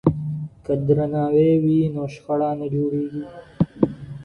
که درناوی وي نو شخړه نه جوړېږي.